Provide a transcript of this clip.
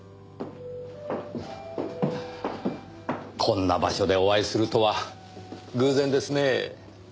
こんな場所でお会いするとは偶然ですねぇ。